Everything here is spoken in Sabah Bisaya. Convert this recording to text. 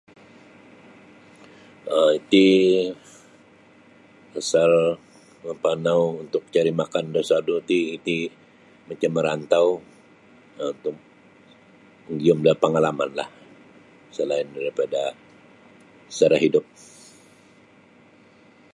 um Iti pasal mampanau untuk cari' makan da sodu' ti iti macam merantau um magiyum da pangalamanlah selain daripada sara hidup.